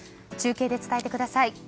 中継で伝えてください。